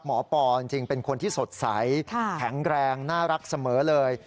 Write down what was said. ปอจริงเป็นคนที่สดใสแข็งแรงน่ารักเสมอเลย